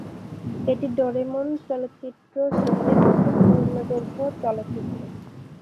এটি ডোরেমন চলচ্চিত্র সিরিজের প্রথম পূর্ণদৈর্ঘ্য চলচ্চিত্র।